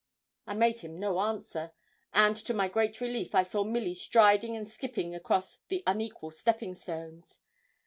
I made him no answer, and to my great relief I saw Milly striding and skipping across the unequal stepping stones.